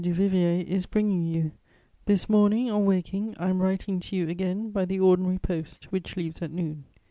Du Viviers is bringing you; this morning, on waking, I am writing to you again by the ordinary post, which leaves at noon.